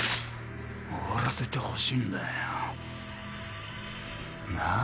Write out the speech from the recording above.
終わらせてほしいんだよ。なぁ